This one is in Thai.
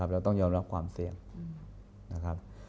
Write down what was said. เราต้องยอมรับความเสี่ยงนะครับ